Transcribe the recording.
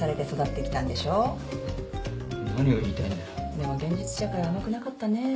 でも現実社会は甘くなかったね。